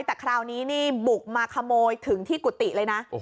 แต่คราวนี้นี่บุกมาขโมยถึงที่กุฏิเลยนะ